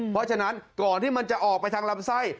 เพราะฉะนั้นก่อนที่มันจะออกไปทางลำไส้